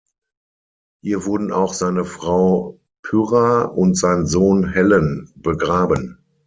Hier wurden auch seine Frau Pyrrha und sein Sohn Hellen begraben.